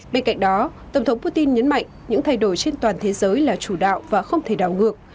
bên cạnh đó tổng thống putin nhấn mạnh những thay đổi trên toàn thế giới là chủ đạo và không thể đảo ngược